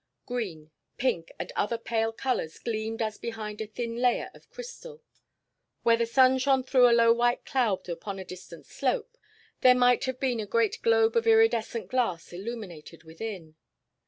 Green, pink, and other pale colors gleamed as behind a thin layer of crystal. Where the sun shone through a low white cloud upon a distant slope there might have been a great globe of iridescent glass illuminated within.